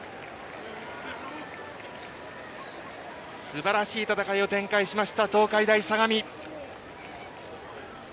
すばらしい戦いを展開しました東海大相模。